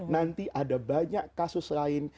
nanti ada banyak kasus lain